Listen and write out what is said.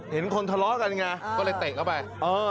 เห็นคนทะเลาะกันไงก็เลยเตะเข้าไป